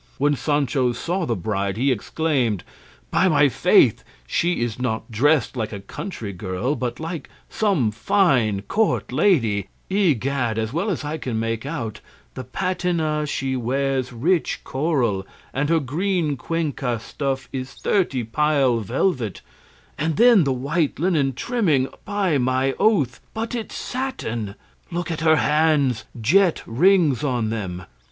When Sancho saw the bride, he exclaimed, "By my faith, she is not dressed like a country girl, but like some fine court lady; egad, as well as I can make out, the patena she wears rich coral, and her green Cuenca stuff is thirty pile velvet; and then the white linen trimming by my oath, but it's satin! Look at her hands jet rings on them!